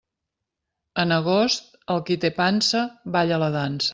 En agost, el qui té pansa, balla la dansa.